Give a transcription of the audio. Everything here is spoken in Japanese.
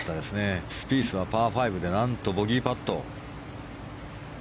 スピースはパー５でなんとボギーパット。